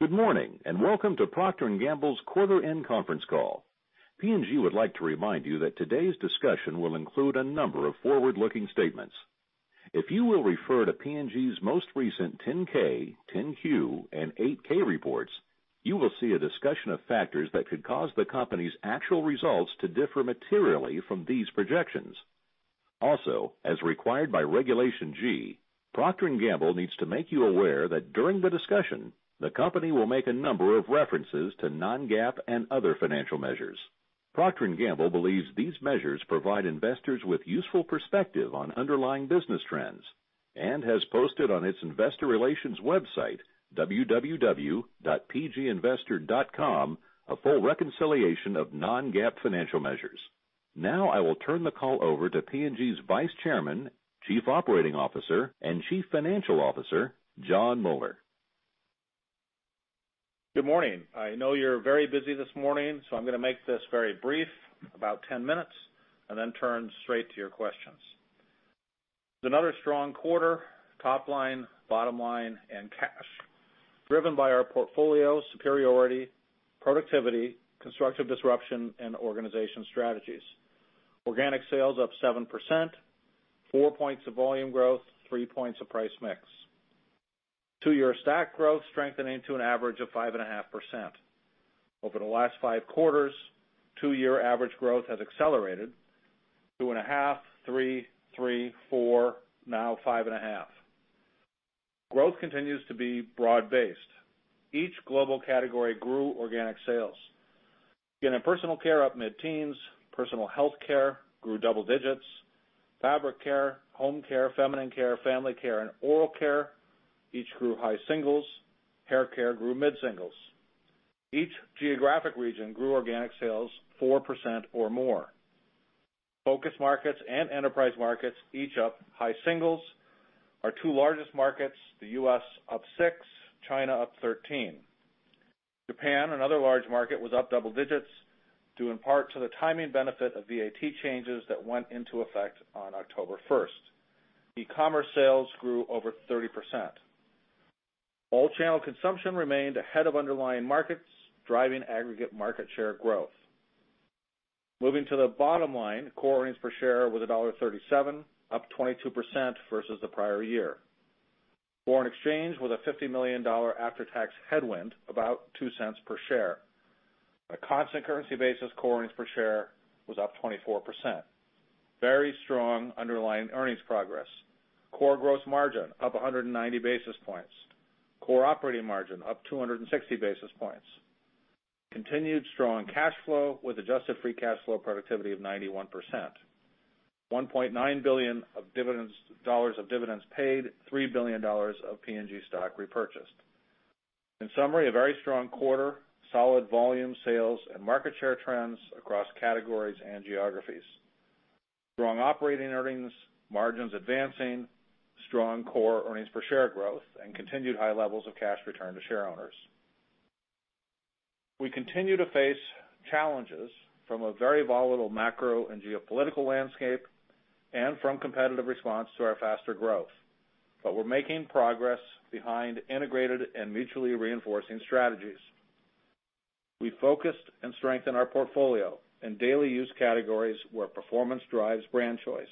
Good morning, and welcome to Procter & Gamble's quarter end conference call. P&G would like to remind you that today's discussion will include a number of forward-looking statements. If you will refer to P&G's most recent 10-K, 10-Q, and 8-K reports, you will see a discussion of factors that could cause the company's actual results to differ materially from these projections. As required by Regulation G, Procter & Gamble needs to make you aware that during the discussion, the company will make a number of references to non-GAAP and other financial measures. Procter & Gamble believes these measures provide investors with useful perspective on underlying business trends and has posted on its investor relations website, www.pginvestor.com, a full reconciliation of non-GAAP financial measures. I will turn the call over to P&G's Vice Chairman, Chief Operating Officer, and Chief Financial Officer, Jon Moeller. Good morning. I know you're very busy this morning, so I'm going to make this very brief, about 10 minutes, and then turn straight to your questions. Another strong quarter, top line, bottom line and cash, driven by our portfolio superiority, productivity, constructive disruption, and organization strategies. Organic sales up 7%, 4 points of volume growth, 3 points of price mix. Two-year stack growth strengthening to an average of 5.5%. Over the last 5 quarters, two-year average growth has accelerated 2.5, 3, 4, now 5.5. Growth continues to be broad-based. Each global category grew organic sales. Again, in personal care up mid-teens. Personal healthcare grew double digits. Fabric care, home care, feminine care, Family Care, and oral care, each grew high singles. Hair care grew mid-singles. Each geographic region grew organic sales 4% or more. Focus markets and enterprise markets each up high singles. Our two largest markets, the U.S. up 6, China up 13. Japan, another large market, was up double digits due in part to the timing benefit of VAT changes that went into effect on October first. E-commerce sales grew over 30%. All channel consumption remained ahead of underlying markets, driving aggregate market share growth. Moving to the bottom line, core earnings per share was $1.37, up 22% versus the prior year. Foreign exchange was a $50 million after-tax headwind, about $0.02 per share. On a constant currency basis, core earnings per share was up 24%. Very strong underlying earnings progress. Core gross margin up 190 basis points. Core operating margin up 260 basis points. Continued strong cash flow with adjusted free cash flow productivity of 91%. $1.9 billion of dividends paid, $3 billion of P&G stock repurchased. In summary, a very strong quarter, solid volume sales and market share trends across categories and geographies. Strong operating earnings, margins advancing, strong core earnings per share growth, and continued high levels of cash return to shareowners. We continue to face challenges from a very volatile macro and geopolitical landscape and from competitive response to our faster growth. We're making progress behind integrated and mutually reinforcing strategies. We focused and strengthened our portfolio in daily use categories where performance drives brand choice.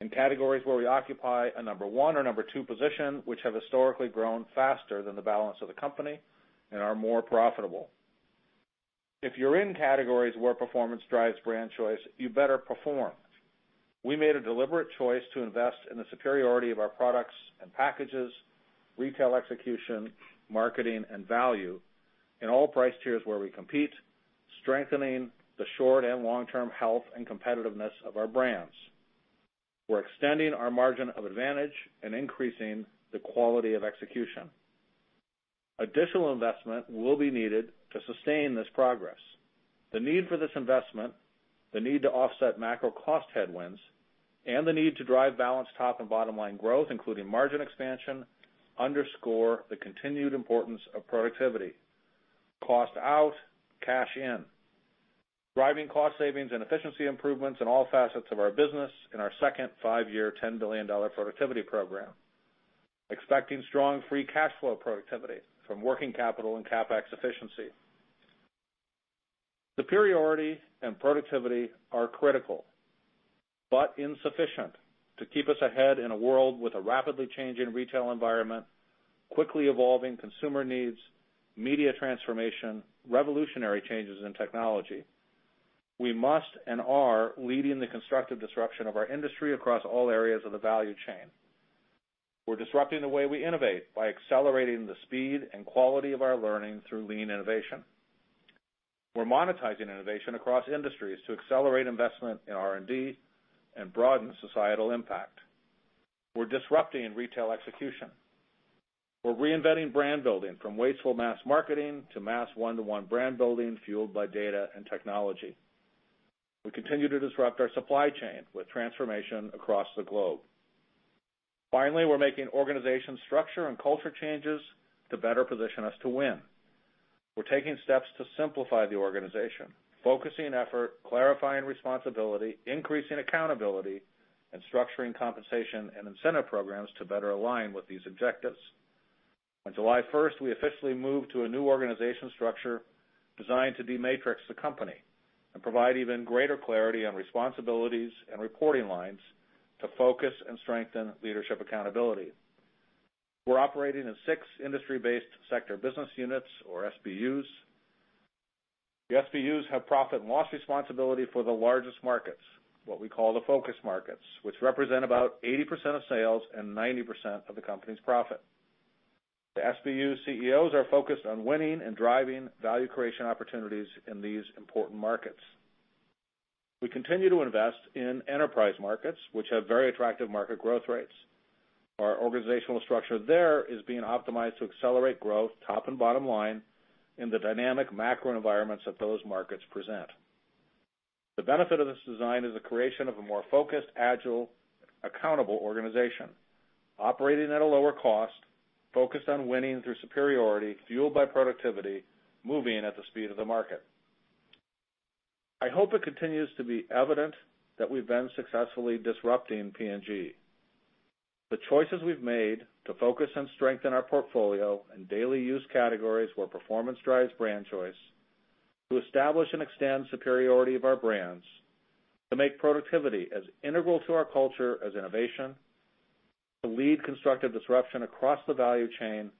In categories where we occupy a number one or number two position, which have historically grown faster than the balance of the company and are more profitable. If you're in categories where performance drives brand choice, you better perform. We made a deliberate choice to invest in the superiority of our products and packages, retail execution, marketing, and value in all price tiers where we compete, strengthening the short and long-term health and competitiveness of our brands. We're extending our margin of advantage and increasing the quality of execution. Additional investment will be needed to sustain this progress. The need for this investment, the need to offset macro cost headwinds, and the need to drive balanced top and bottom line growth, including margin expansion, underscore the continued importance of productivity. Cost out, cash in. Driving cost savings and efficiency improvements in all facets of our business in our second five-year, $10 billion productivity program. Expecting strong free cash flow productivity from working capital and CapEx efficiency. Superiority and productivity are critical, but insufficient to keep us ahead in a world with a rapidly changing retail environment, quickly evolving consumer needs, media transformation, revolutionary changes in technology. We must and are leading the constructive disruption of our industry across all areas of the value chain. We're disrupting the way we innovate by accelerating the speed and quality of our learning through lean innovation. We're monetizing innovation across industries to accelerate investment in R&D and broaden societal impact. We're disrupting retail execution. We're reinventing brand building from wasteful mass marketing to mass one-to-one brand building fueled by data and technology. We continue to disrupt our supply chain with transformation across the globe. Finally, we're making organization structure and culture changes to better position us to win. We're taking steps to simplify the organization, focusing effort, clarifying responsibility, increasing accountability, and structuring compensation and incentive programs to better align with these objectives. On July 1st, we officially moved to a new organization structure designed to de-matrix the company and provide even greater clarity on responsibilities and reporting lines to focus and strengthen leadership accountability. We're operating in six industry-based sector business units, or SBUs. The SBUs have profit and loss responsibility for the largest markets, what we call the focus markets, which represent about 80% of sales and 90% of the company's profit. The SBU CEOs are focused on winning and driving value creation opportunities in these important markets. We continue to invest in enterprise markets, which have very attractive market growth rates. Our organizational structure there is being optimized to accelerate growth, top and bottom line, in the dynamic macro environments that those markets present. The benefit of this design is the creation of a more focused, agile, accountable organization, operating at a lower cost, focused on winning through superiority, fueled by productivity, moving at the speed of the market. I hope it continues to be evident that we've been successfully disrupting P&G. The choices we've made to focus and strengthen our portfolio in daily use categories where performance drives brand choice, to establish and extend superiority of our brands, to make productivity as integral to our culture as innovation, to lead constructive disruption across the value chain,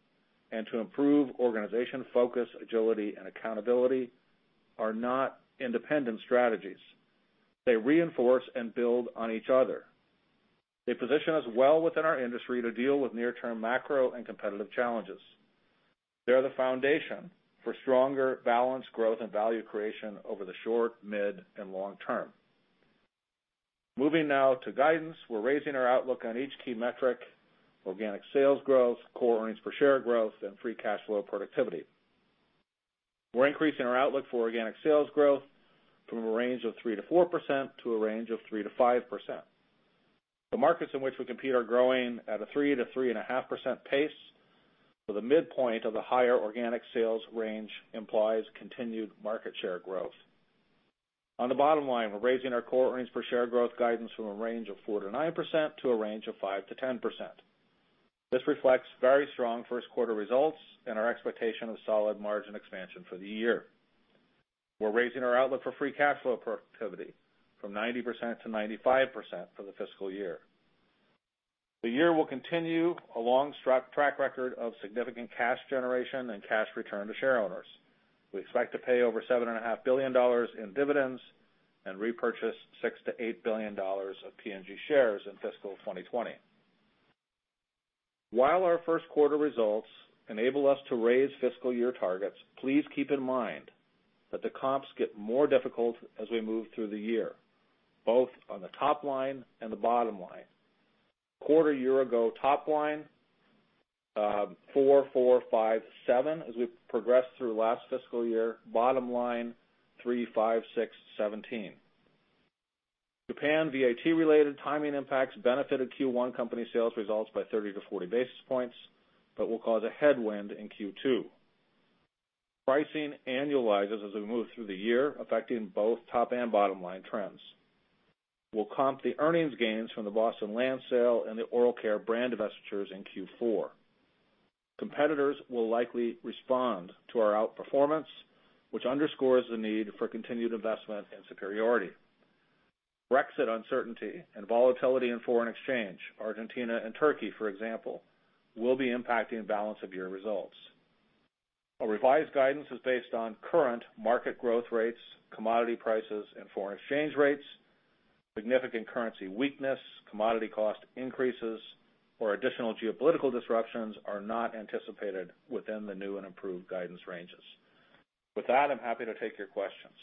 and to improve organization focus, agility, and accountability are not independent strategies. They reinforce and build on each other. They position us well within our industry to deal with near-term macro and competitive challenges. They are the foundation for stronger, balanced growth and value creation over the short, mid, and long term. Moving now to guidance. We're raising our outlook on each key metric, organic sales growth, core earnings per share growth, and free cash flow productivity. We're increasing our outlook for organic sales growth from a range of 3%-4% to a range of 3%-5%. The markets in which we compete are growing at a 3%-3.5% pace, the midpoint of the higher organic sales range implies continued market share growth. On the bottom line, we're raising our core earnings per share growth guidance from a range of 4%-9% to a range of 5%-10%. This reflects very strong first quarter results and our expectation of solid margin expansion for the year. We're raising our outlook for free cash flow productivity from 90% to 95% for the fiscal year. The year will continue a long track record of significant cash generation and cash return to shareowners. We expect to pay over $7.5 billion in dividends and repurchase $6 billion to $8 billion of P&G shares in fiscal 2020. While our first quarter results enable us to raise fiscal year targets, please keep in mind that the comps get more difficult as we move through the year, both on the top line and the bottom line. Quarter year ago top line, 4%, 4%, 5%, 7% as we progressed through last fiscal year. Bottom line, 3%, 5%, 6%, 17%. Japan VAT-related timing impacts benefited Q1 company sales results by 30 to 40 basis points, but will cause a headwind in Q2. Pricing annualizes as we move through the year, affecting both top and bottom line trends. We'll comp the earnings gains from the Boston Land sale and the Oral Care brand divestitures in Q4. Competitors will likely respond to our outperformance, which underscores the need for continued investment in superiority. Brexit uncertainty and volatility in foreign exchange, Argentina and Turkey, for example, will be impacting balance of year results. Our revised guidance is based on current market growth rates, commodity prices, and foreign exchange rates. Significant currency weakness, commodity cost increases, or additional geopolitical disruptions are not anticipated within the new and improved guidance ranges. With that, I'm happy to take your questions.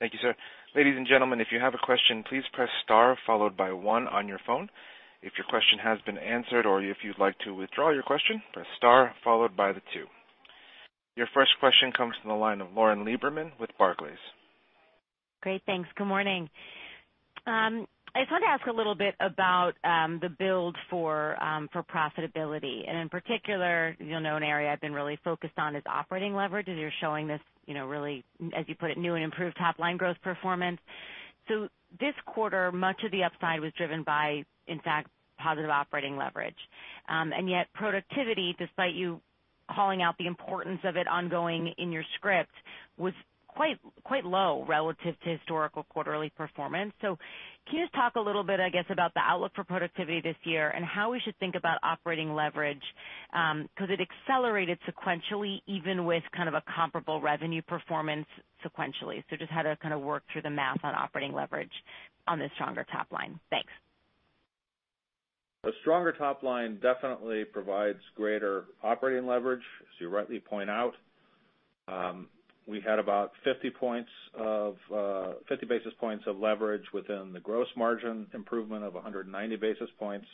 Thank you, sir. Ladies and gentlemen, if you have a question, please press star followed by one on your phone. If your question has been answered or if you'd like to withdraw your question, press star followed by the two. Your first question comes from the line of Lauren Lieberman with Barclays. Great, thanks. Good morning. I just wanted to ask a little bit about the build for profitability. In particular, you'll know an area I've been really focused on is operating leverage, as you're showing this really, as you put it, new and improved top-line growth performance. This quarter, much of the upside was driven by, in fact, positive operating leverage. Yet productivity, despite you calling out the importance of it ongoing in your script, was quite low relative to historical quarterly performance. Can you just talk a little bit, I guess, about the outlook for productivity this year and how we should think about operating leverage? It accelerated sequentially even with kind of a comparable revenue performance sequentially. Just how to kind of work through the math on operating leverage on the stronger top-line. Thanks. A stronger top line definitely provides greater operating leverage, as you rightly point out. We had about 50 basis points of leverage within the gross margin improvement of 190 basis points,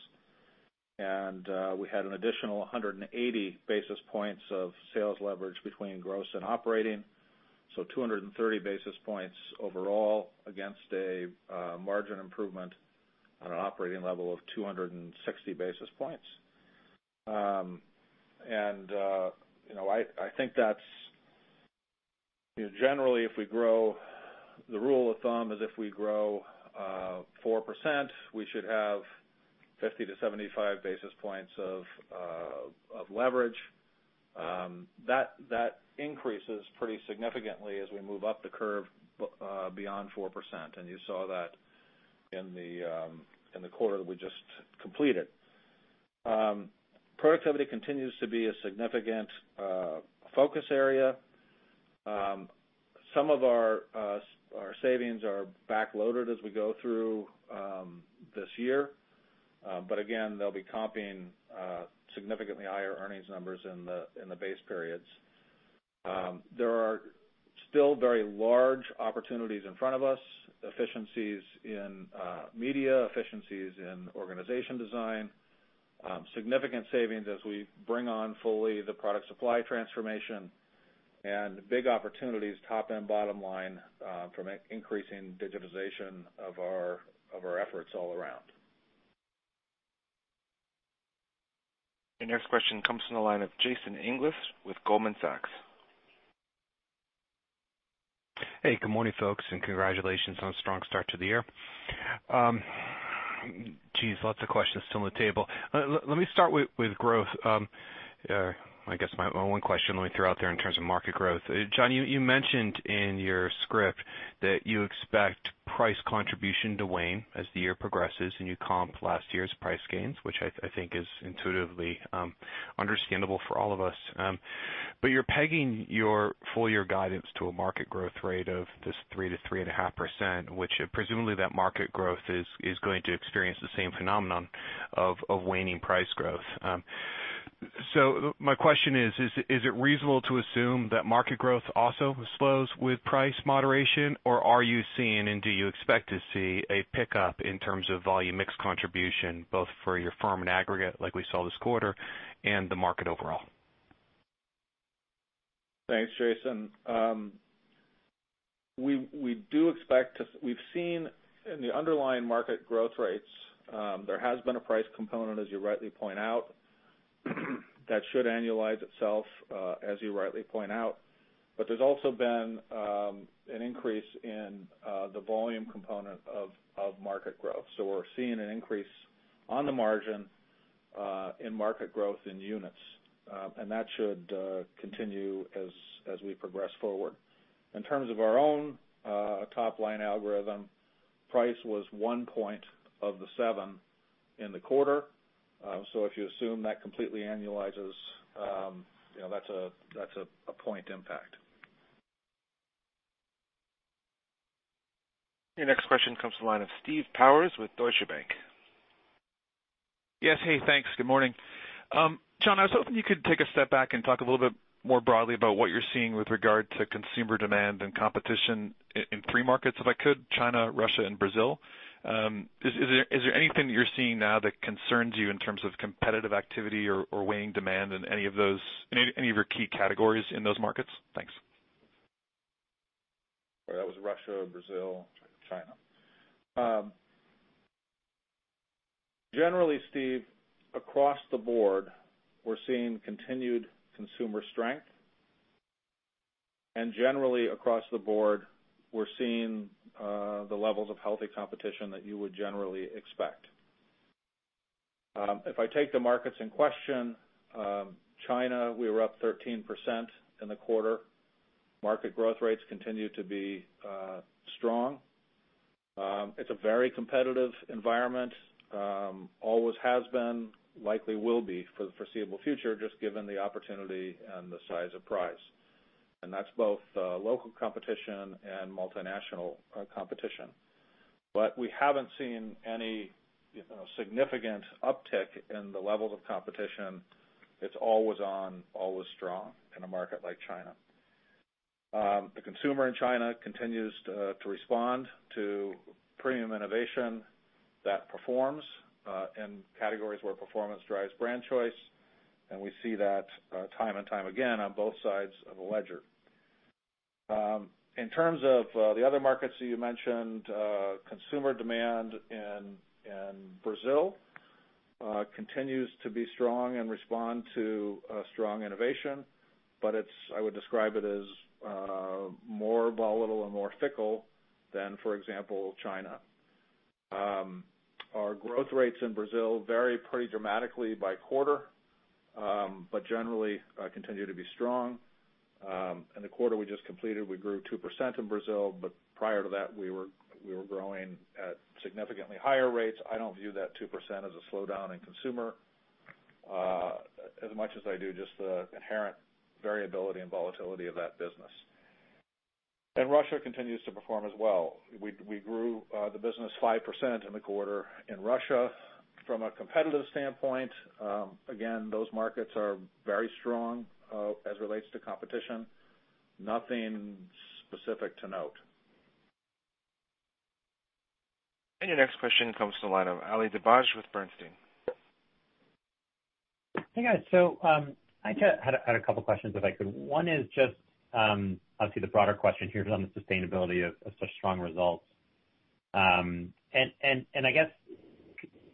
and we had an additional 180 basis points of sales leverage between gross and operating. 230 basis points overall against a margin improvement on an operating level of 260 basis points. I think that's generally if we grow, the rule of thumb is if we grow 4%, we should have 50 to 75 basis points of leverage. That increases pretty significantly as we move up the curve beyond 4%. You saw that in the quarter that we just completed. Productivity continues to be a significant focus area. Some of our savings are back-loaded as we go through this year. Again, they'll be comping significantly higher earnings numbers in the base periods. There are still very large opportunities in front of us, efficiencies in media, efficiencies in organization design, significant savings as we bring on fully the product supply transformation, and big opportunities, top and bottom line, from increasing digitization of our efforts all around. Your next question comes from the line of Jason English with Goldman Sachs. Hey, good morning, folks, and congratulations on a strong start to the year. Geez, lots of questions still on the table. Let me start with growth. I guess my one question let me throw out there in terms of market growth. Jon, you mentioned in your script that you expect price contribution to wane as the year progresses, and you comp last year's price gains, which I think is intuitively understandable for all of us. But you're pegging your full-year guidance to a market growth rate of this 3%-3.5%, which presumably that market growth is going to experience the same phenomenon of waning price growth. My question is: Is it reasonable to assume that market growth also slows with price moderation, or are you seeing, and do you expect to see a pickup in terms of volume mix contribution, both for your firm and aggregate, like we saw this quarter and the market overall? Thanks, Jason. We've seen in the underlying market growth rates, there has been a price component, as you rightly point out, that should annualize itself, as you rightly point out. There's also been an increase in the volume component of market growth. We're seeing an increase on the margin in market growth in units. That should continue as we progress forward. In terms of our own top-line algorithm, price was one point of the seven in the quarter. If you assume that completely annualizes, that's a point impact. Your next question comes from the line of Steve Powers with Deutsche Bank. Yes. Hey, thanks. Good morning. Jon, I was hoping you could take a step back and talk a little bit more broadly about what you're seeing with regard to consumer demand and competition in three markets, if I could, China, Russia, and Brazil. Is there anything that you're seeing now that concerns you in terms of competitive activity or waning demand in any of your key categories in those markets? Thanks. That was Russia, Brazil, China. Generally, Steve, across the board, we're seeing continued consumer strength, and generally across the board, we're seeing the levels of healthy competition that you would generally expect. If I take the markets in question, China, we were up 13% in the quarter. Market growth rates continue to be strong. It's a very competitive environment. Always has been, likely will be for the foreseeable future, just given the opportunity and the size of price. That's both local competition and multinational competition. We haven't seen any significant uptick in the levels of competition. It's always on, always strong in a market like China. The consumer in China continues to respond to premium innovation that performs in categories where performance drives brand choice, and we see that time and time again on both sides of the ledger. In terms of the other markets that you mentioned, consumer demand in Brazil continues to be strong and respond to strong innovation, but I would describe it as more volatile and more fickle than, for example, China. Our growth rates in Brazil vary pretty dramatically by quarter but generally continue to be strong. In the quarter we just completed, we grew 2% in Brazil, but prior to that, we were growing at significantly higher rates. I don't view that 2% as a slowdown in consumer as much as I do just the inherent variability and volatility of that business. Russia continues to perform as well. We grew the business 5% in the quarter in Russia. From a competitive standpoint, again, those markets are very strong as relates to competition. Nothing specific to note. Your next question comes to the line of Ali Dibadj with Bernstein. Hey, guys. I had a couple questions, if I could. One is just obviously the broader question here is on the sustainability of such strong results. I guess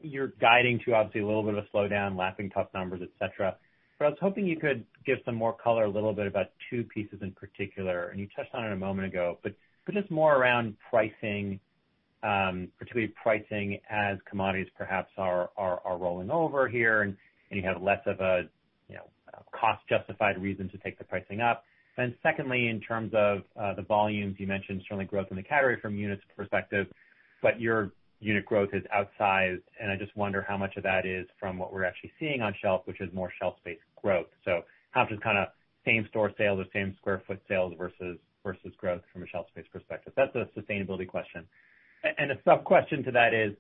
you're guiding to obviously a little bit of a slowdown, lapping tough numbers, et cetera. I was hoping you could give some more color a little bit about two pieces in particular, and you touched on it a moment ago, but just more around pricing, particularly pricing as commodities perhaps are rolling over here and you have less of a cost-justified reason to take the pricing up. Secondly, in terms of the volumes, you mentioned certainly growth in the category from a units perspective, but your unit growth is outsized, and I just wonder how much of that is from what we're actually seeing on shelf, which is more shelf space growth. How much is kind of same store sales or same square foot sales versus growth from a shelf space perspective? That's a sustainability question. A sub-question to that is,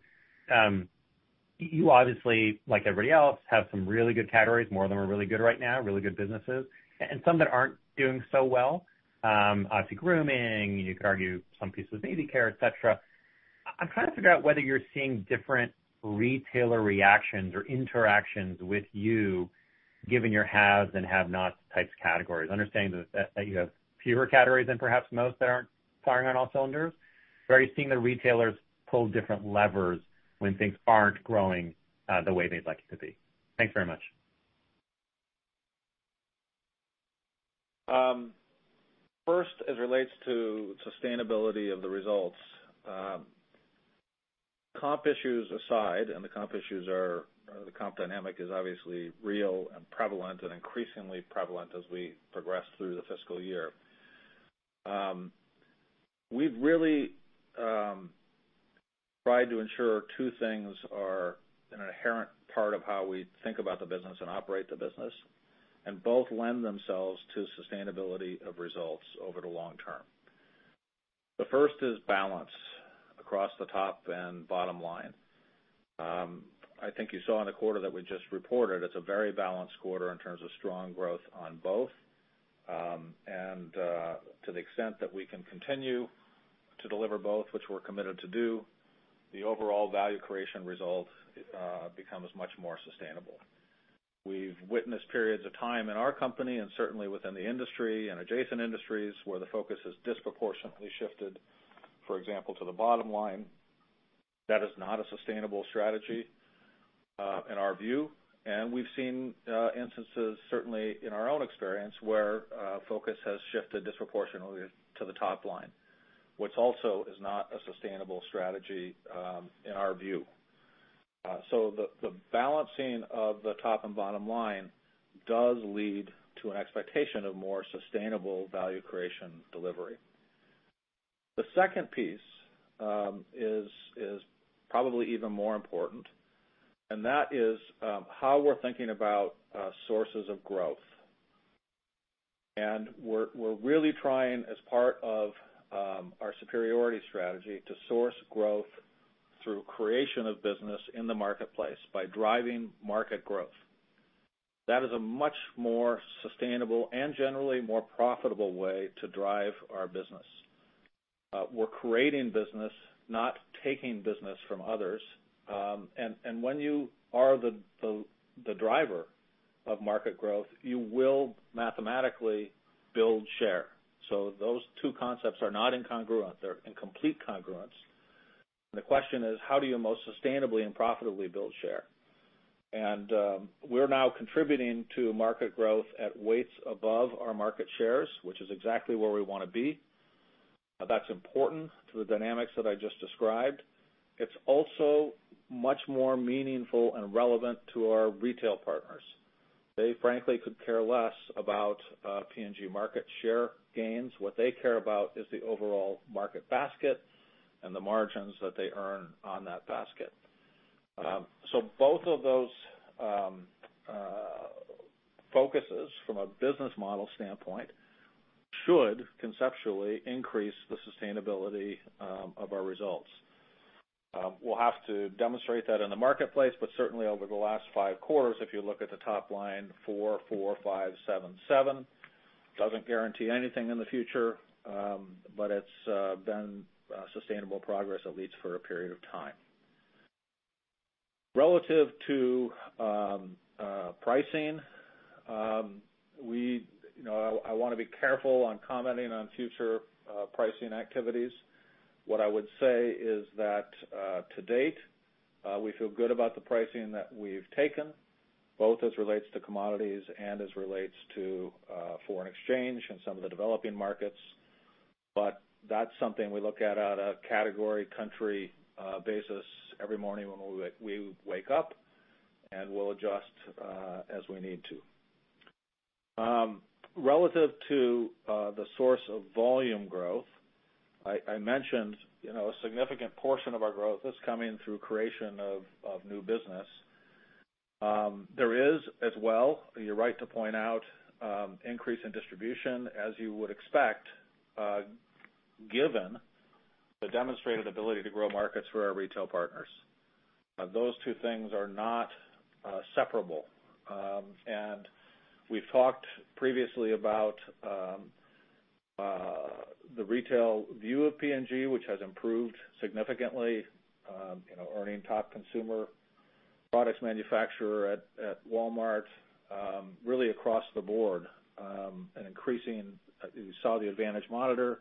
you obviously, like everybody else, have some really good categories. More of them are really good right now, really good businesses, and some that aren't doing so well. Obviously grooming, you could argue some pieces of baby care, et cetera. I'm trying to figure out whether you're seeing different retailer reactions or interactions with you given your haves and have-not types categories. Understanding that you have fewer categories than perhaps most that aren't firing on all cylinders. Are you seeing the retailers pull different levers when things aren't growing the way they'd like it to be? Thanks very much. First, as it relates to sustainability of the results, comp issues aside, the comp dynamic is obviously real and prevalent, and increasingly prevalent as we progress through the fiscal year. We've really tried to ensure two things are an inherent part of how we think about the business and operate the business, and both lend themselves to sustainability of results over the long term. The first is balance across the top and bottom line. I think you saw in the quarter that we just reported, it's a very balanced quarter in terms of strong growth on both. To the extent that we can continue to deliver both, which we're committed to do, the overall value creation result becomes much more sustainable. We've witnessed periods of time in our company and certainly within the industry and adjacent industries, where the focus has disproportionately shifted, for example, to the bottom line. That is not a sustainable strategy in our view. We've seen instances, certainly in our own experience, where focus has shifted disproportionately to the top line, which also is not a sustainable strategy in our view. The balancing of the top and bottom line does lead to an expectation of more sustainable value creation delivery. The second piece is probably even more important, and that is how we're thinking about sources of growth. We're really trying, as part of our superiority strategy, to source growth through creation of business in the marketplace by driving market growth. That is a much more sustainable and generally more profitable way to drive our business. We're creating business, not taking business from others. When you are the driver of market growth, you will mathematically build share. Those two concepts are not incongruent. They're in complete congruence. The question is, how do you most sustainably and profitably build share? We're now contributing to market growth at weights above our market shares, which is exactly where we want to be. That's important to the dynamics that I just described. It's also much more meaningful and relevant to our retail partners. They frankly could care less about P&G market share gains. What they care about is the overall market basket and the margins that they earn on that basket. Both of those focuses from a business model standpoint should conceptually increase the sustainability of our results. We'll have to demonstrate that in the marketplace, but certainly over the last 5 quarters, if you look at the top line 4%, 4%, 5%, 7%, 7%, doesn't guarantee anything in the future, but it's been sustainable progress, at least for a period of time. Relative to pricing, I want to be careful on commenting on future pricing activities. What I would say is that to date, we feel good about the pricing that we've taken, both as relates to commodities and as relates to foreign exchange in some of the developing markets. That's something we look at on a category country basis every morning when we wake up, and we'll adjust as we need to. Relative to the source of volume growth, I mentioned a significant portion of our growth is coming through creation of new business. There is as well, you're right to point out, increase in distribution, as you would expect given the demonstrated ability to grow markets for our retail partners. Those two things are not separable. We've talked previously about the retail view of P&G, which has improved significantly, earning top consumer products manufacturer at Walmart, really across the board, and increasing. You saw the Advantage Report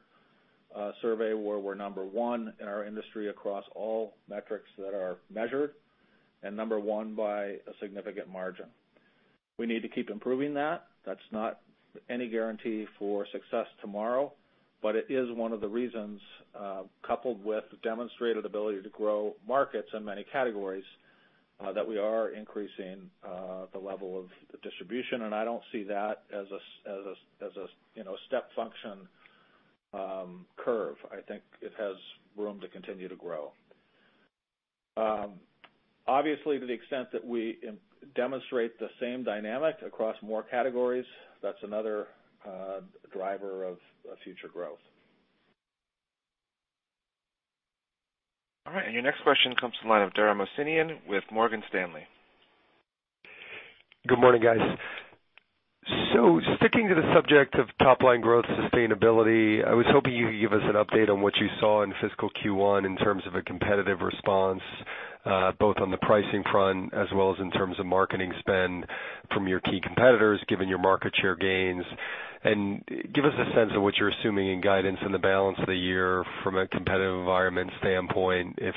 survey where we're number 1 in our industry across all metrics that are measured, and number 1 by a significant margin. We need to keep improving that. That's not any guarantee for success tomorrow, but it is one of the reasons, coupled with demonstrated ability to grow markets in many categories, that we are increasing the level of the distribution. I don't see that as a step function curve. I think it has room to continue to grow. Obviously, to the extent that we demonstrate the same dynamic across more categories, that's another driver of future growth. All right. Your next question comes from the line of Dara Mohsenian with Morgan Stanley. Good morning, guys. Sticking to the subject of top-line growth sustainability, I was hoping you could give us an update on what you saw in fiscal Q1 in terms of a competitive response, both on the pricing front as well as in terms of marketing spend from your key competitors, given your market share gains. Give us a sense of what you're assuming in guidance in the balance of the year from a competitive environment standpoint, if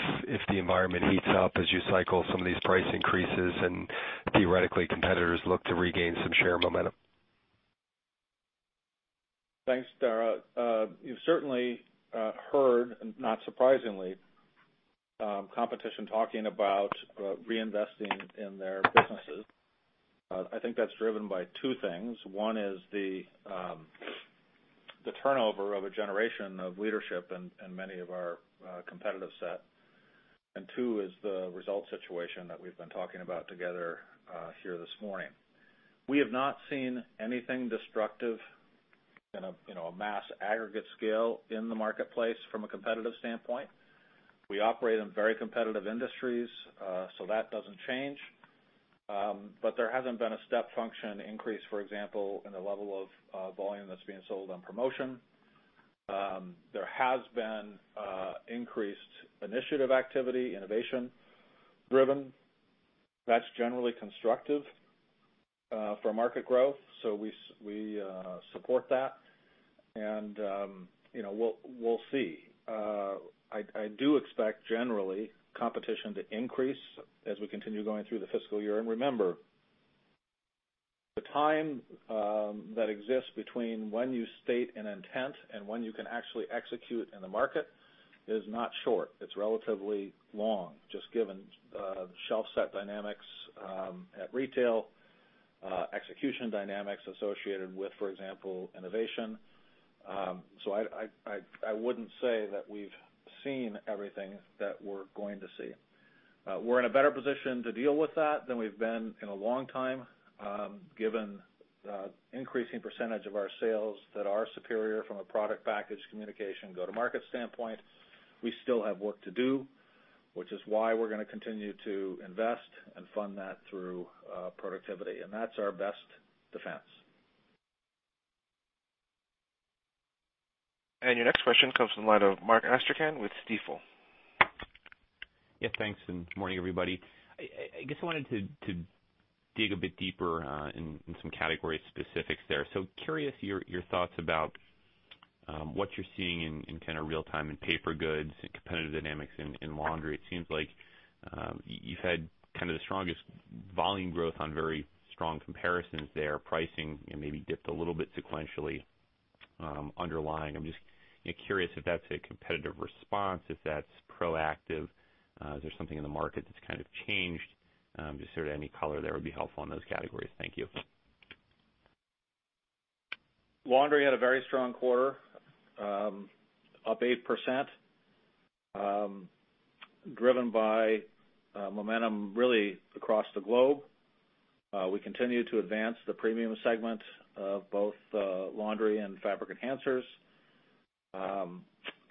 the environment heats up as you cycle some of these price increases and theoretically competitors look to regain some share momentum? Thanks, Dara. You've certainly heard, not surprisingly, competition talking about reinvesting in their businesses. I think that's driven by two things. One is the turnover of a generation of leadership in many of our competitive set, and two is the result situation that we've been talking about together here this morning. We have not seen anything destructive in a mass aggregate scale in the marketplace from a competitive standpoint. We operate in very competitive industries, so that doesn't change. There hasn't been a step function increase, for example, in the level of volume that's being sold on promotion. There has been increased initiative activity, innovation driven. That's generally constructive for market growth. We support that, and we'll see. I do expect, generally, competition to increase as we continue going through the fiscal year. Remember, the time that exists between when you state an intent and when you can actually execute in the market is not short. It's relatively long, just given the shelf set dynamics at retail, execution dynamics associated with, for example, innovation. I wouldn't say that we've seen everything that we're going to see. We're in a better position to deal with that than we've been in a long time, given the increasing percentage of our sales that are superior from a product package communication go-to-market standpoint. We still have work to do, which is why we're going to continue to invest and fund that through productivity. That's our best defense. Your next question comes from the line of Mark Astrachan with Stifel. Yeah, thanks. Good morning, everybody. I guess I wanted to dig a bit deeper in some category specifics there. Curious your thoughts about what you're seeing in real time in paper goods and competitive dynamics in laundry. It seems like you've had the strongest volume growth on very strong comparisons there. Pricing maybe dipped a little bit sequentially underlying. I'm just curious if that's a competitive response, if that's proactive. Is there something in the market that's changed? Just sort of any color there would be helpful in those categories. Thank you. Laundry had a very strong quarter, up 8%, driven by momentum really across the globe. We continue to advance the premium segment of both laundry and fabric enhancers.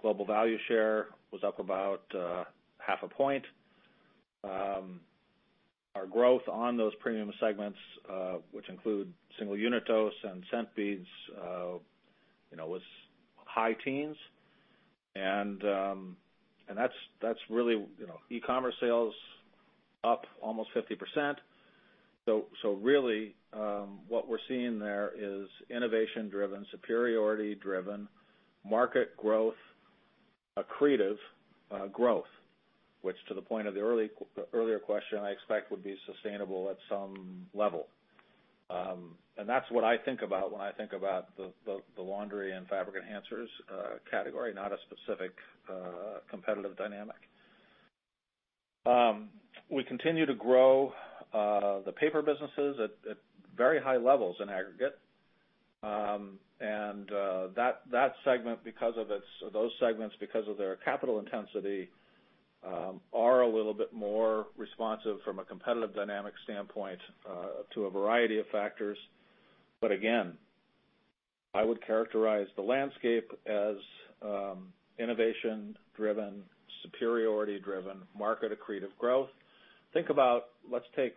Global value share was up about half a point. Our growth on those premium segments, which include single unit dose and scent beads, was high teens. That's really e-commerce sales up almost 50%. Really, what we're seeing there is innovation driven, superiority driven, market growth, accretive growth, which to the point of the earlier question, I expect would be sustainable at some level. That's what I think about when I think about the laundry and fabric enhancers category, not a specific competitive dynamic. We continue to grow the paper businesses at very high levels in aggregate. Those segments, because of their capital intensity, are a little bit more responsive from a competitive dynamic standpoint to a variety of factors. Again, I would characterize the landscape as innovation driven, superiority driven, market accretive growth. Think about, let's take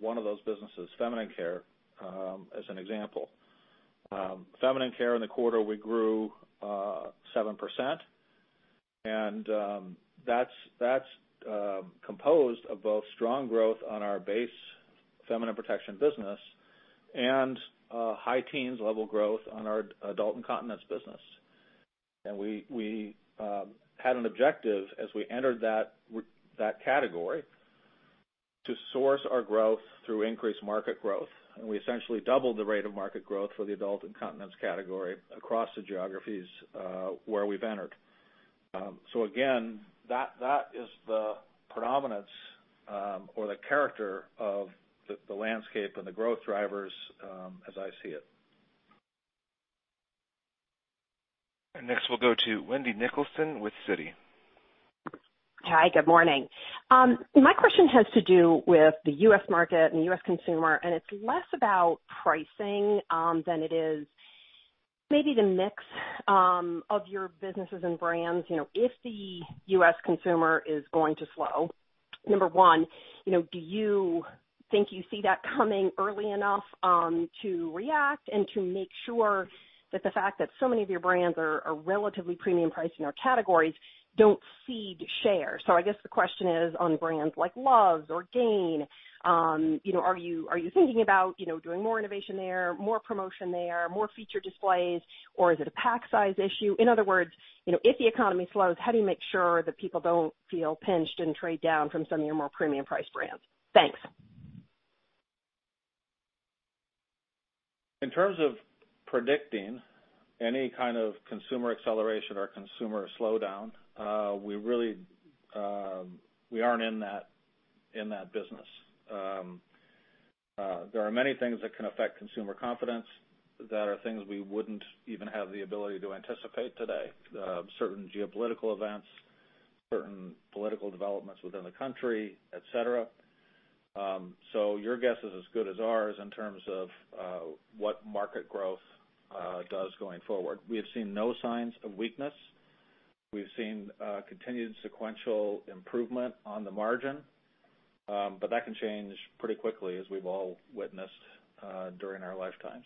one of those businesses, feminine care, as an example. Feminine care in the quarter, we grew 7%, and that's composed of both strong growth on our base feminine protection business and high teens level growth on our adult incontinence business. We had an objective as we entered that category to source our growth through increased market growth. We essentially doubled the rate of market growth for the adult incontinence category across the geographies where we've entered. Again, that is the predominance, or the character, of the landscape and the growth drivers as I see it. Next, we'll go to Wendy Nicholson with Citi. Hi, good morning. My question has to do with the U.S. market and U.S. consumer. It's less about pricing than it is maybe the mix of your businesses and brands. If the U.S. consumer is going to slow, number one, do you think you see that coming early enough to react and to make sure that the fact that so many of your brands are relatively premium priced in their categories don't cede share? I guess the question is on brands like Luvs or Gain, are you thinking about doing more innovation there, more promotion there, more feature displays, or is it a pack size issue? In other words, if the economy slows, how do you make sure that people don't feel pinched and trade down from some of your more premium priced brands? Thanks. In terms of predicting any kind of consumer acceleration or consumer slowdown, we aren't in that business. There are many things that can affect consumer confidence that are things we wouldn't even have the ability to anticipate today. Certain geopolitical events, certain political developments within the country, et cetera. Your guess is as good as ours in terms of what market growth does going forward. We have seen no signs of weakness. We've seen continued sequential improvement on the margin. That can change pretty quickly, as we've all witnessed during our lifetimes.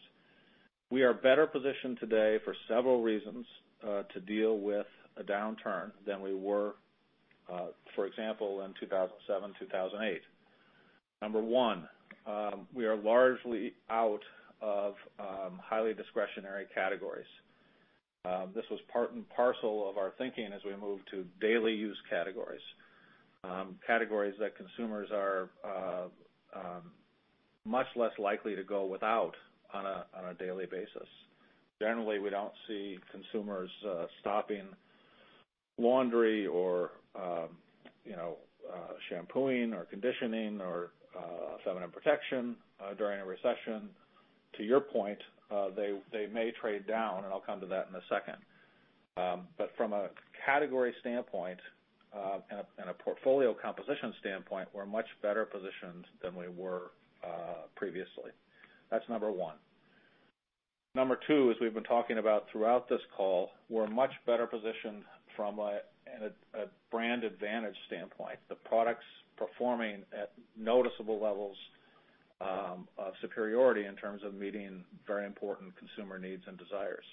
We are better positioned today for several reasons to deal with a downturn than we were, for example, in 2007, 2008. Number one, we are largely out of highly discretionary categories. This was part and parcel of our thinking as we moved to daily use categories. Categories that consumers are much less likely to go without on a daily basis. Generally, we don't see consumers stopping laundry or shampooing or conditioning or feminine protection during a recession. To your point, they may trade down, and I'll come to that in a second. From a category standpoint, and a portfolio composition standpoint, we're much better positioned than we were previously. That's number one. Number two, as we've been talking about throughout this call, we're much better positioned from a brand advantage standpoint, the products performing at noticeable levels of superiority in terms of meeting very important consumer needs and desires.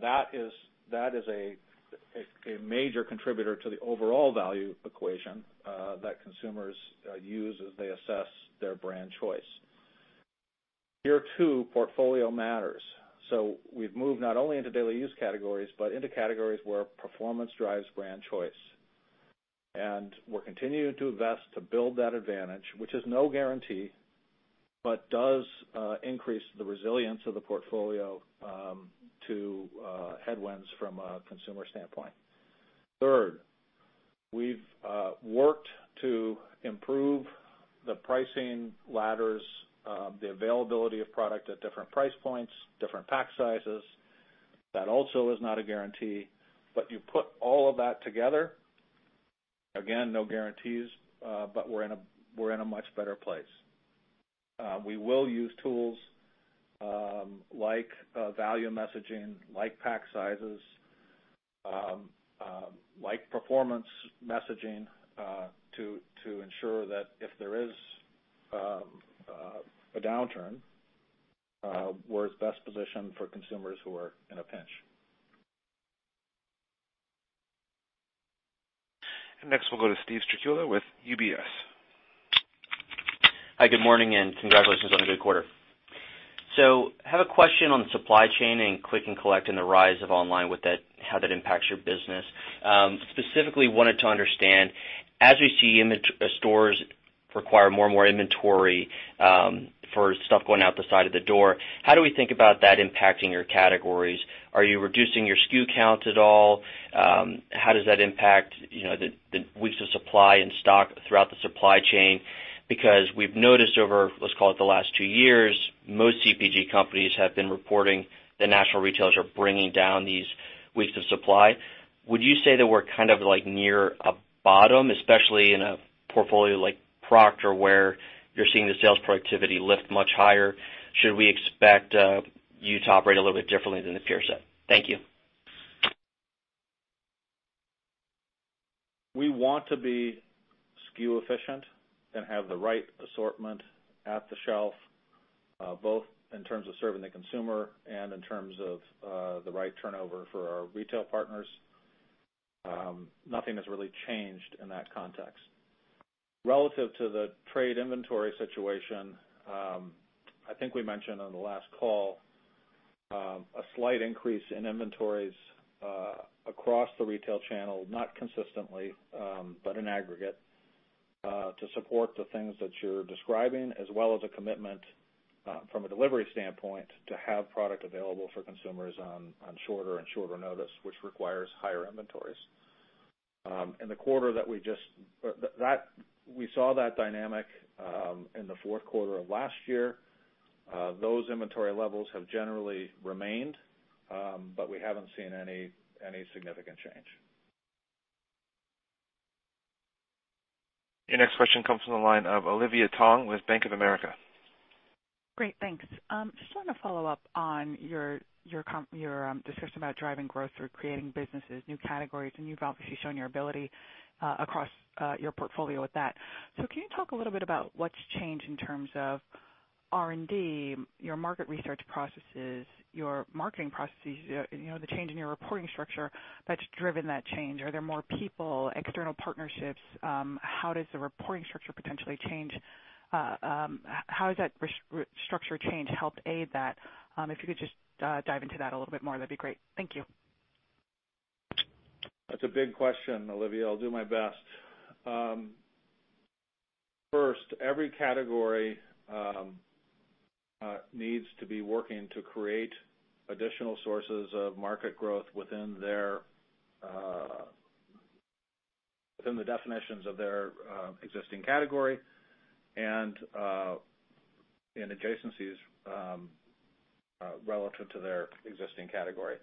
That is a major contributor to the overall value equation that consumers use as they assess their brand choice. Here, too, portfolio matters. We've moved not only into daily use categories, but into categories where performance drives brand choice. We're continuing to invest to build that advantage, which is no guarantee, but does increase the resilience of the portfolio to headwinds from a consumer standpoint. Third, we've worked to improve the pricing ladders, the availability of product at different price points, different pack sizes. That also is not a guarantee, but you put all of that together, again, no guarantees, but we're in a much better place. We will use tools like value messaging, like pack sizes, like performance messaging, to ensure that if there is a downturn, we're at best positioned for consumers who are in a pinch. Next, we'll go to Steven Strycula with UBS. Hi, good morning. Congratulations on a good quarter. I have a question on the supply chain and click and collect and the rise of online with how that impacts your business. Specifically wanted to understand, as we see stores require more and more inventory for stuff going out the side of the door, how do we think about that impacting your categories? Are you reducing your SKU count at all? How does that impact the weeks of supply and stock throughout the supply chain? We've noticed over, let's call it the last two years, most CPG companies have been reporting that national retailers are bringing down these weeks of supply. Would you say that we're kind of near a bottom, especially in a portfolio like Procter, where you're seeing the sales productivity lift much higher? Should we expect you to operate a little bit differently than the peer set? Thank you. We want to be SKU efficient and have the right assortment at the shelf, both in terms of serving the consumer and in terms of the right turnover for our retail partners. Nothing has really changed in that context. Relative to the trade inventory situation, I think we mentioned on the last call, a slight increase in inventories across the retail channel, not consistently, but in aggregate, to support the things that you're describing, as well as a commitment from a delivery standpoint to have product available for consumers on shorter and shorter notice, which requires higher inventories. We saw that dynamic in the fourth quarter of last year. Those inventory levels have generally remained, but we haven't seen any significant change. Your next question comes from the line of Olivia Tong with Bank of America. Great, thanks. Just wanted to follow up on your discussion about driving growth through creating businesses, new categories, and you've obviously shown your ability across your portfolio with that. Can you talk a little bit about what's changed in terms of R&D, your market research processes, your marketing processes, the change in your reporting structure that's driven that change? Are there more people, external partnerships? How does the reporting structure potentially change? How has that structure change helped aid that? If you could just dive into that a little bit more, that'd be great. Thank you. That's a big question, Olivia. I'll do my best. First, every category needs to be working to create additional sources of market growth within the definitions of their existing category and adjacencies relative to their existing category.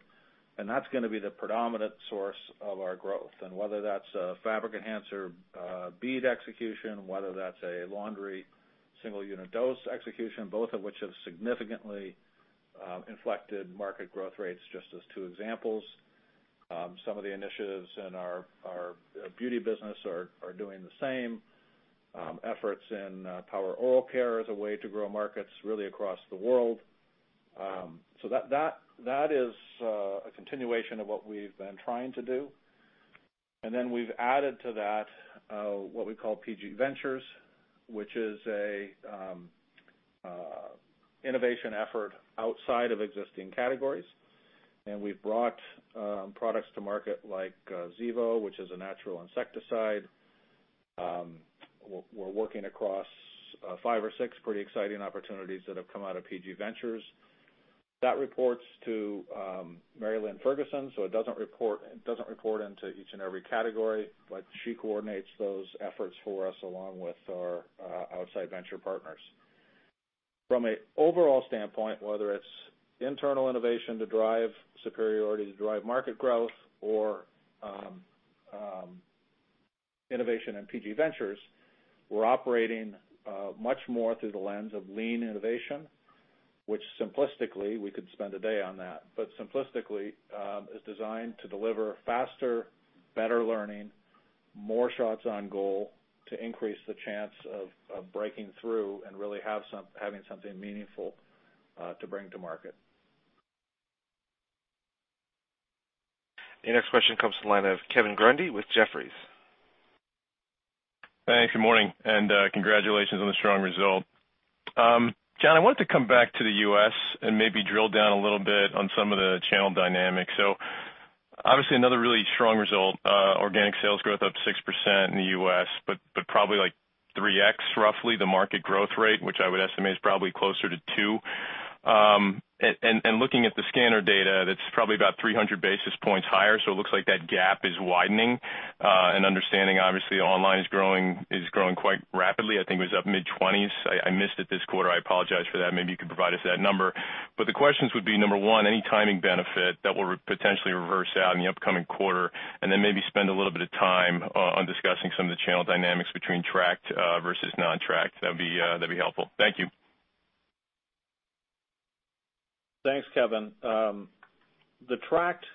That's going to be the predominant source of our growth. Whether that's a fabric enhancer bead execution, whether that's a laundry single unit dose execution, both of which have significantly inflected market growth rates, just as two examples. Some of the initiatives in our beauty business are doing the same. Efforts in power oral care as a way to grow markets, really across the world. That is a continuation of what we've been trying to do. Then we've added to that, what we call P&G Ventures, which is an innovation effort outside of existing categories. We've brought products to market like Zevo, which is a natural insecticide. We're working across five or six pretty exciting opportunities that have come out of P&G Ventures. That reports to MaryLynn Ferguson-McHugh, so it doesn't report into each and every category, but she coordinates those efforts for us, along with our outside venture partners. From an overall standpoint, whether it's internal innovation to drive superiority, to drive market growth, or innovation in P&G Ventures, we're operating much more through the lens of lean innovation, which simplistically, we could spend a day on that. Simplistically, is designed to deliver faster, better learning, more shots on goal to increase the chance of breaking through and really having something meaningful to bring to market. The next question comes to the line of Kevin Grundy with Jefferies. Thanks. Good morning, and congratulations on the strong result. Jon, I wanted to come back to the U.S. and maybe drill down a little bit on some of the channel dynamics. Obviously another really strong result, organic sales growth up 6% in the U.S., but probably 3x roughly the market growth rate, which I would estimate is probably closer to two. Looking at the scanner data, that's probably about 300 basis points higher. Understanding, obviously, online is growing quite rapidly. I think it was up mid-20s. I missed it this quarter. I apologize for that. Maybe you could provide us that number. The questions would be, number one, any timing benefit that will potentially reverse out in the upcoming quarter? Maybe spend a little bit of time on discussing some of the channel dynamics between tracked versus non-tracked. That'd be helpful. Thank you. Thanks, Kevin. The tracked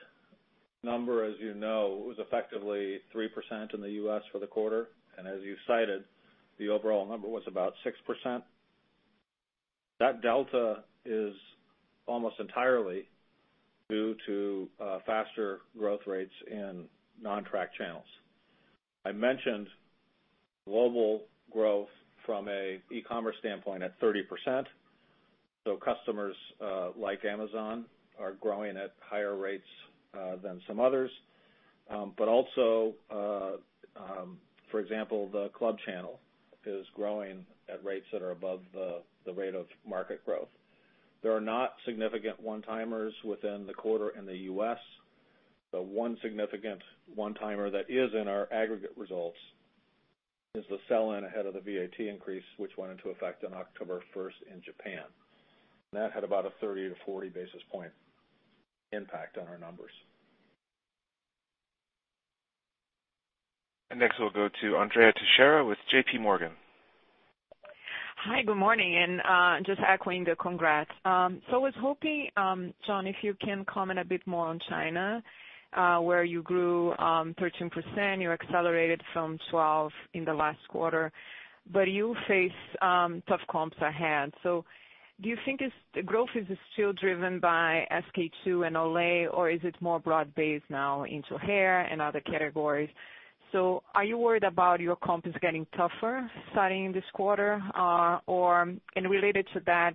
number, as you know, was effectively 3% in the U.S. for the quarter, and as you cited, the overall number was about 6%. That delta is almost entirely due to faster growth rates in non-tracked channels. I mentioned global growth from an e-commerce standpoint at 30%. Customers like Amazon are growing at higher rates than some others. Also, for example, the club channel is growing at rates that are above the rate of market growth. There are not significant one-timers within the quarter in the U.S. The one significant one-timer that is in our aggregate results is the sell-in ahead of the VAT increase, which went into effect on October 1st in Japan. That had about a 30 to 40 basis point impact on our numbers. Next, we'll go to Andrea Teixeira with JPMorgan. Hi, good morning, just echoing the congrats. I was hoping, Jon, if you can comment a bit more on China, where you grew 13%, you accelerated from 12% in the last quarter, but you face tough comps ahead. Do you think the growth is still driven by SK-II and Olay, or is it more broad-based now into hair and other categories? Are you worried about your comps getting tougher starting this quarter? Related to that,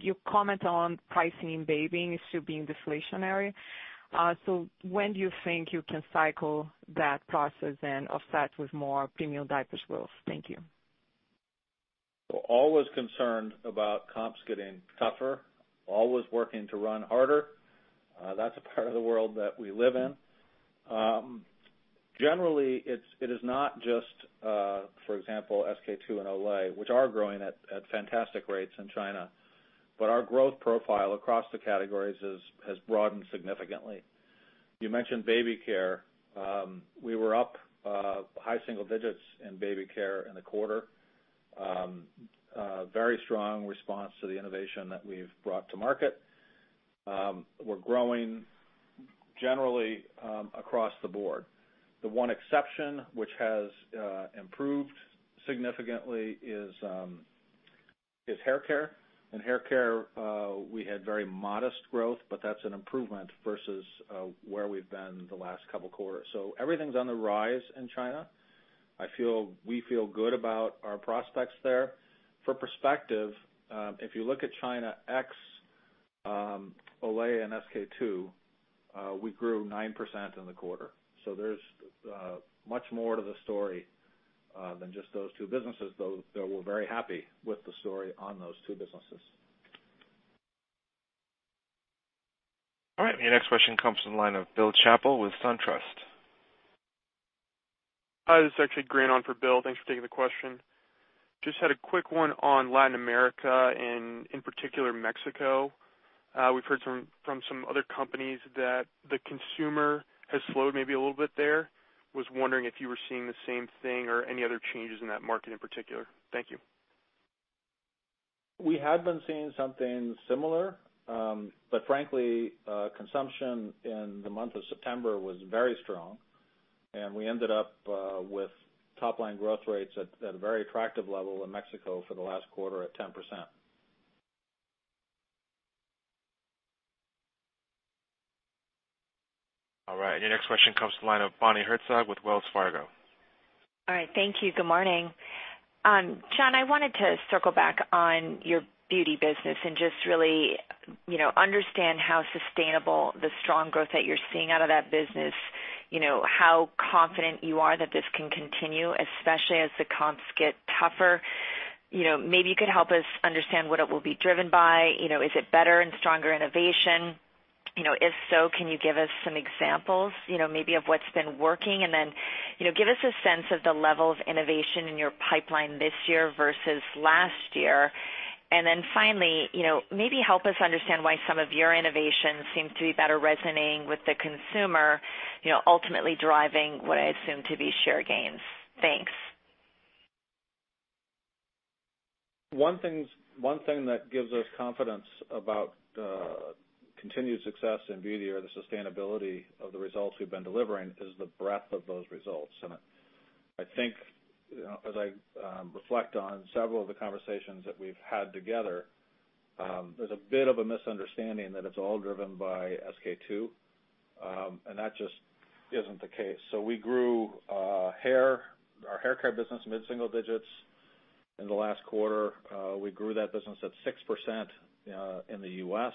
your comment on pricing in baby still being deflationary. When do you think you can cycle that process then offset with more premium diapers growth? Thank you. Always concerned about comps getting tougher, always working to run harder. That's a part of the world that we live in. Generally, it is not just, for example, SK-II and Olay, which are growing at fantastic rates in China, but our growth profile across the categories has broadened significantly. You mentioned baby care. We were up high single digits in baby care in the quarter. Very strong response to the innovation that we've brought to market. We're growing generally across the board. The one exception, which has improved significantly, is hair care. In hair care, we had very modest growth, but that's an improvement versus where we've been the last couple quarters. Everything's on the rise in China. We feel good about our prospects there. For perspective, if you look at China ex Olay and SK-II, we grew 9% in the quarter. There's much more to the story than just those two businesses, though we're very happy with the story on those two businesses. All right. Your next question comes from the line of Bill Chappell with SunTrust. Hi, this is actually Grant on for Bill. Thanks for taking the question. Just had a quick one on Latin America and in particular Mexico. We've heard from some other companies that the consumer has slowed maybe a little bit there. Was wondering if you were seeing the same thing or any other changes in that market in particular. Thank you. We had been seeing something similar. Frankly, consumption in the month of September was very strong, and we ended up with top-line growth rates at a very attractive level in Mexico for the last quarter at 10%. All right, your next question comes to the line of Bonnie Herzog with Wells Fargo. All right. Thank you. Good morning. Jon, I wanted to circle back on your beauty business and just really understand how sustainable the strong growth that you're seeing out of that business, how confident you are that this can continue, especially as the comps get tougher. Maybe you could help us understand what it will be driven by. Is it better and stronger innovation? If so, can you give us some examples maybe of what's been working? Then, give us a sense of the level of innovation in your pipeline this year versus last year. Finally, maybe help us understand why some of your innovations seem to be better resonating with the consumer, ultimately driving what I assume to be share gains. Thanks. One thing that gives us confidence about the continued success in beauty or the sustainability of the results we've been delivering is the breadth of those results. I think as I reflect on several of the conversations that we've had together, there's a bit of a misunderstanding that it's all driven by SK-II, and that just isn't the case. We grew our hair care business mid-single digits in the last quarter. We grew that business at 6% in the U.S.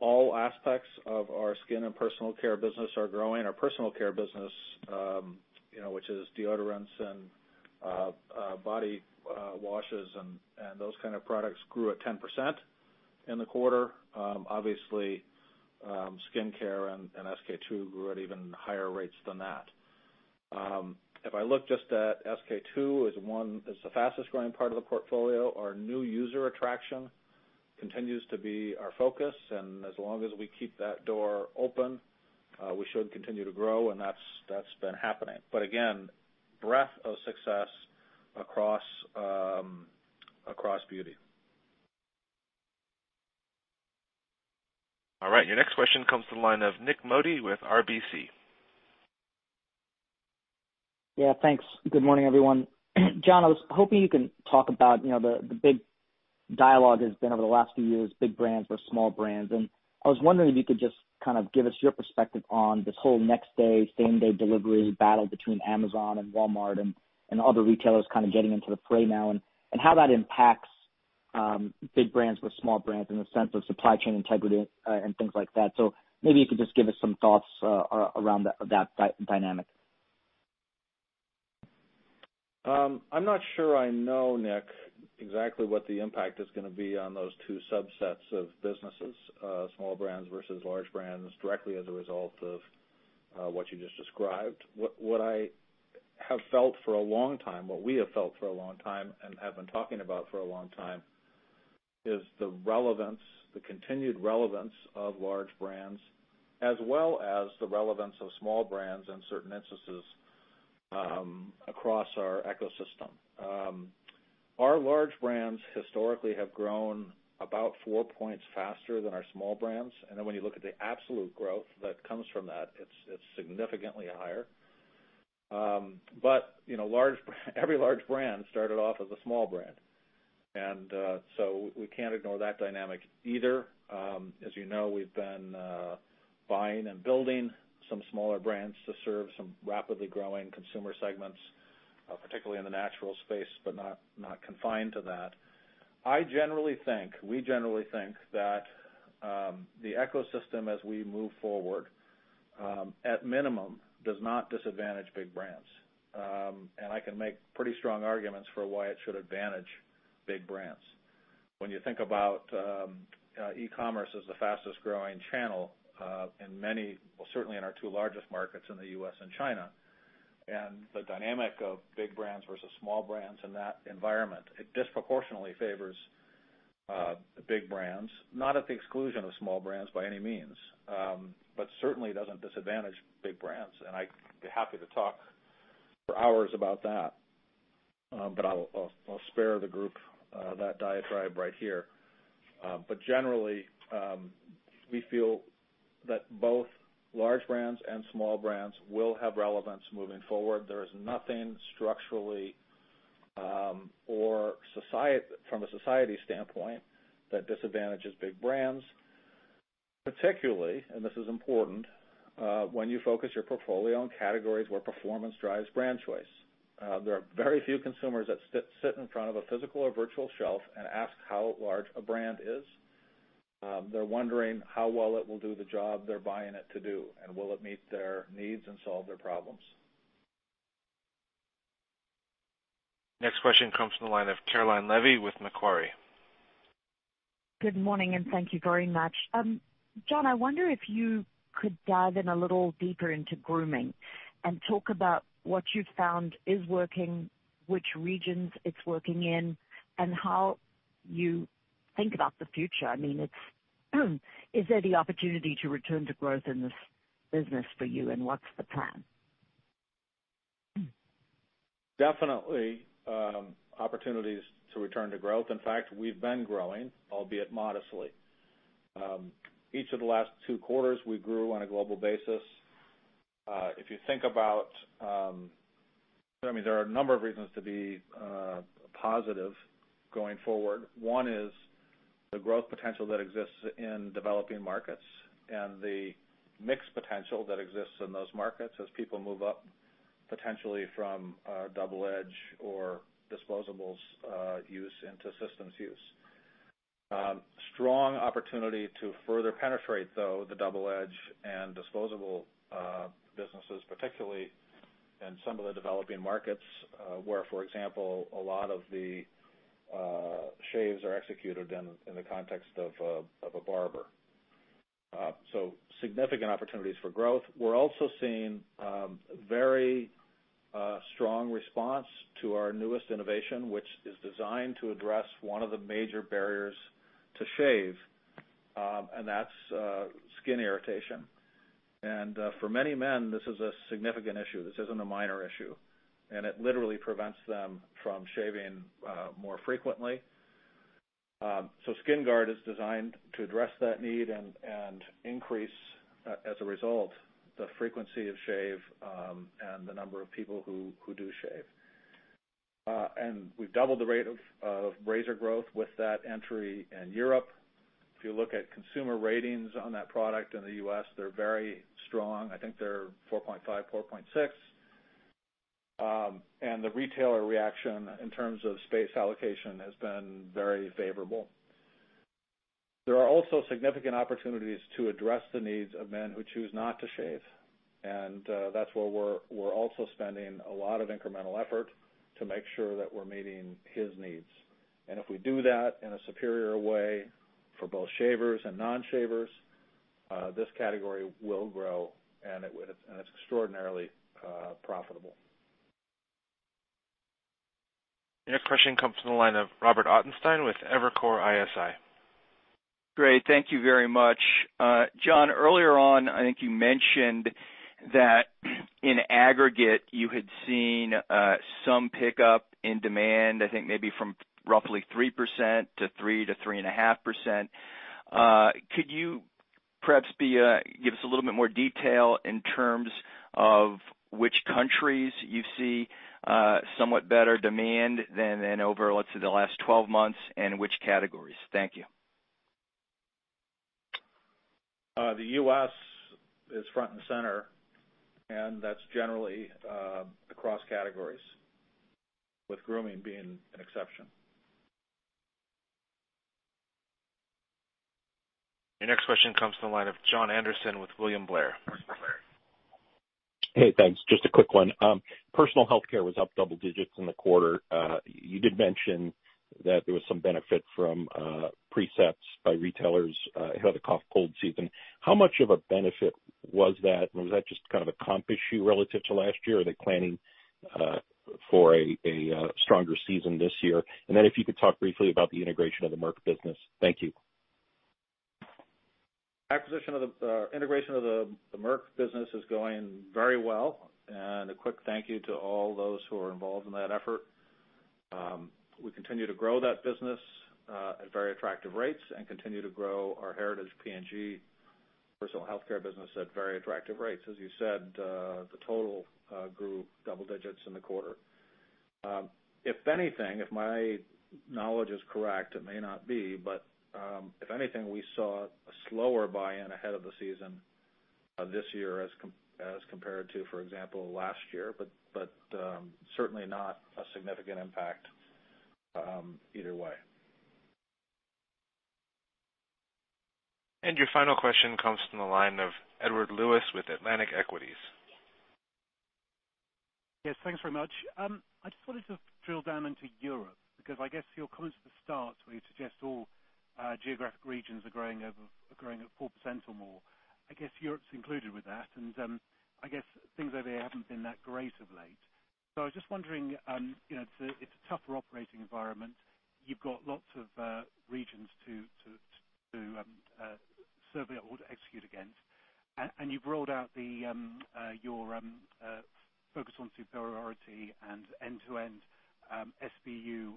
All aspects of our skin and personal care business are growing. Our personal care business, which is deodorants and body washes and those kind of products, grew at 10% in the quarter. Obviously, skin care and SK-II grew at even higher rates than that. If I look just at SK-II as the fastest growing part of the portfolio, our new user attraction continues to be our focus, and as long as we keep that door open, we should continue to grow. That's been happening. Again, breadth of success across beauty. All right, your next question comes to the line of Nik Modi with RBC. Yeah, thanks. Good morning, everyone. Jon, I was hoping you can talk about the big dialogue that's been over the last few years, big brands versus small brands. I was wondering if you could just give us your perspective on this whole next day, same day delivery battle between Amazon and Walmart and other retailers getting into the fray now, and how that impacts big brands versus small brands in the sense of supply chain integrity and things like that. Maybe you could just give us some thoughts around that dynamic. I'm not sure I know, Nik, exactly what the impact is going to be on those two subsets of businesses, small brands versus large brands, directly as a result of what you just described. What I have felt for a long time, what we have felt for a long time and have been talking about for a long time is the continued relevance of large brands, as well as the relevance of small brands in certain instances across our ecosystem. Our large brands historically have grown about four points faster than our small brands. When you look at the absolute growth that comes from that, it's significantly higher. Every large brand started off as a small brand, we can't ignore that dynamic either. As you know, we've been buying and building some smaller brands to serve some rapidly growing consumer segments, particularly in the natural space, but not confined to that. I generally think, we generally think that the ecosystem as we move forward, at minimum, does not disadvantage big brands. I can make pretty strong arguments for why it should advantage big brands. When you think about e-commerce as the fastest growing channel in many, well, certainly in our two largest markets in the U.S. and China, and the dynamic of big brands versus small brands in that environment, it disproportionately favors big brands. Not at the exclusion of small brands by any means, but certainly doesn't disadvantage big brands. I'd be happy to talk for hours about that. I'll spare the group that diatribe right here. Generally, we feel that both large brands and small brands will have relevance moving forward. There is nothing structurally, from a society standpoint, that disadvantages big brands. Particularly, and this is important, when you focus your portfolio on categories where performance drives brand choice. There are very few consumers that sit in front of a physical or virtual shelf and ask how large a brand is. They're wondering how well it will do the job they're buying it to do, and will it meet their needs and solve their problems. Next question comes from the line of Caroline Levy with Macquarie. Good morning, and thank you very much. Jon, I wonder if you could dive in a little deeper into grooming and talk about what you've found is working, which regions it's working in, and how you think about the future. Is there the opportunity to return to growth in this business for you, and what's the plan? Definitely opportunities to return to growth. In fact, we've been growing, albeit modestly. Each of the last two quarters, we grew on a global basis. There are a number of reasons to be positive going forward. One is the growth potential that exists in developing markets and the mix potential that exists in those markets as people move up, potentially from double edge or disposables use into systems use. Strong opportunity to further penetrate, though, the double edge and disposable businesses, particularly in some of the developing markets, where, for example, a lot of the shaves are executed in the context of a barber. Significant opportunities for growth. We're also seeing very strong response to our newest innovation, which is designed to address one of the major barriers to shave, and that's skin irritation. For many men, this is a significant issue. This isn't a minor issue. It literally prevents them from shaving more frequently. SkinGuard is designed to address that need and increase, as a result, the frequency of shave and the number of people who do shave. We've doubled the rate of razor growth with that entry in Europe. If you look at consumer ratings on that product in the U.S., they're very strong. I think they're 4.5, 4.6. The retailer reaction in terms of space allocation has been very favorable. There are also significant opportunities to address the needs of men who choose not to shave. That's where we're also spending a lot of incremental effort to make sure that we're meeting his needs. If we do that in a superior way for both shavers and non-shavers, this category will grow, and it's extraordinarily profitable. Your next question comes from the line of Robert Ottenstein with Evercore ISI. Great. Thank you very much. Jon, earlier on, I think you mentioned that in aggregate, you had seen some pickup in demand, I think maybe from roughly 3% to 3%-3.5%. Could you perhaps give us a little bit more detail in terms of which countries you see somewhat better demand than in over, let's say, the last 12 months, and which categories? Thank you. The U.S. is front and center, and that's generally across categories, with grooming being an exception. Your next question comes from the line of Jon Andersen with William Blair. Hey, thanks. Just a quick one. Personal healthcare was up double digits in the quarter. You did mention that there was some benefit from pre-shipments by retailers ahead of the cold season. How much of a benefit was that? Was that just kind of a comp issue relative to last year? Are they planning for a stronger season this year. If you could talk briefly about the integration of the Merck business. Thank you. Integration of the Merck business is going very well. A quick thank you to all those who are involved in that effort. We continue to grow that business at very attractive rates and continue to grow our heritage P&G personal healthcare business at very attractive rates. As you said, the total grew double digits in the quarter. If anything, if my knowledge is correct, it may not be, but, if anything, we saw a slower buy-in ahead of the season this year as compared to, for example, last year. Certainly not a significant impact either way. Your final question comes from the line of Edward Lewis with Atlantic Equities. Yes, thanks very much. I just wanted to drill down into Europe, because I guess your comments at the start where you suggest all geographic regions are growing at 4% or more, I guess Europe's included with that. I guess things over there haven't been that great of late. I was just wondering, it's a tougher operating environment. You've got lots of regions to survey or to execute against, and you've rolled out your focus on superiority and end-to-end SBU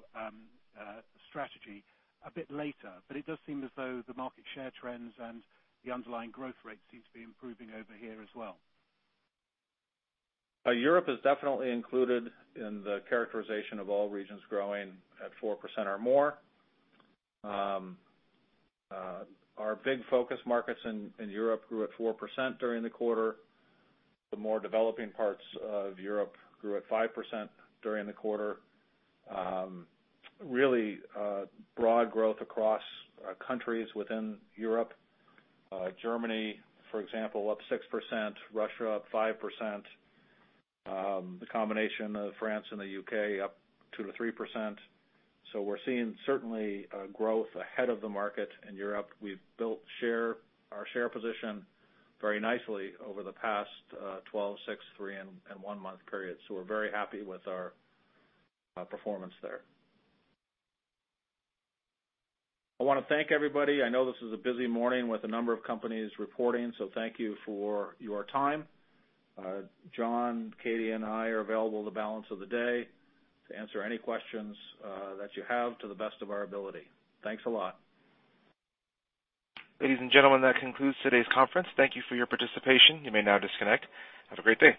strategy a bit later. It does seem as though the market share trends and the underlying growth rate seems to be improving over here as well. Europe is definitely included in the characterization of all regions growing at 4% or more. Our big focus markets in Europe grew at 4% during the quarter. The more developing parts of Europe grew at 5% during the quarter. Really broad growth across countries within Europe. Germany, for example, up 6%, Russia up 5%, the combination of France and the U.K. up 2%-3%. We're seeing certainly a growth ahead of the market in Europe. We've built our share position very nicely over the past 12, six, three, and one-month periods. We're very happy with our performance there. I want to thank everybody. I know this is a busy morning with a number of companies reporting, so thank you for your time. Jon, Katie, and I are available the balance of the day to answer any questions that you have to the best of our ability. Thanks a lot. Ladies and gentlemen, that concludes today's conference. Thank you for your participation. You may now disconnect. Have a great day.